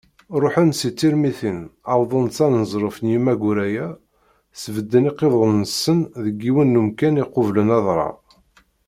Ṛuḥen si Tirmitin, wwḍen s aneẓruf n Yemma Guraya, sbedden iqiḍunen-nsen deg yiwen n umkan iqublen adrar.